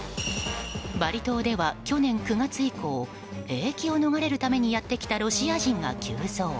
バリ島では去年９月以降兵役を逃れるためにやってきたロシア人が急増。